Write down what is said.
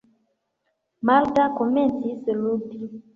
Marta komencis ludi.